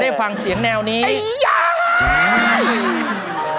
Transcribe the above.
ได้ฟังเสียงแนวนี้ยัง